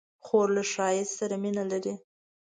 خور له ښایست سره مینه لري.